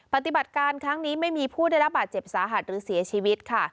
ปฏิบัติการครั้งนี้ไม่มีผู้ได้รับบาดเจ็บสาหัสหรือเสียชีวิตค่ะ